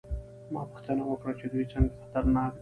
ما پوښتنه وکړه چې دوی څنګه خطرناک دي